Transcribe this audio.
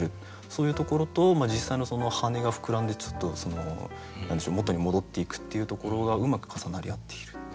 そういうところと実際のその羽根がふくらんで元に戻っていくっていうところがうまく重なり合っている。